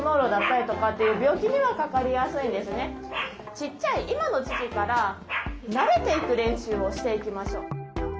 ちっちゃい今の時期から慣れていく練習をしていきましょう。